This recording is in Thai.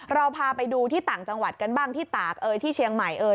เราพาไปดูที่ต่างจังหวัดกันบ้างที่ตากเอ่ยที่เชียงใหม่เอ่ย